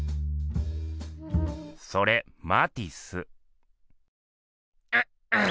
それマティス。